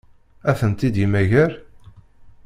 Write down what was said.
Ad tent-id-yemmager?